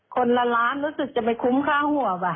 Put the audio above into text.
คนละล้านรู้สึกจะไปคุ้มค่าหัวป่ะ